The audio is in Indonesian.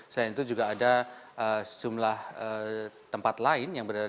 selain itu juga ada sejumlah tempat lain yang berada